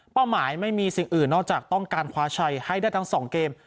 หมายไม่มีสิ่งอื่นนอกจากต้องการคว้าชัยให้ได้ทั้ง๒เกม